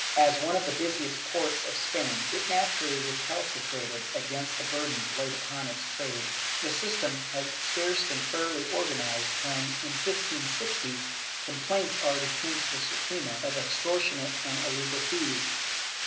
As one of the busiest ports of Spain, it naturally recalcitrated against the burdens laid upon its trade. The system had scarce been fairly organized when, in 1560, complaints already came to the Suprema of extortionate and illegal fees.